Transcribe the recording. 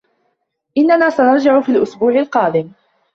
إنّنا سنرجع في الأسبوع القادم.